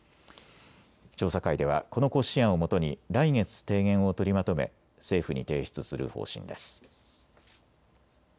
調査会ではこの骨子案をもとに来月、提言を取りまとめ政府に提出する方針です。